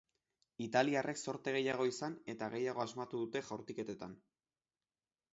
Italiarrek zorte gehiago izan eta gehiago asmatu dute jaurtiketetan.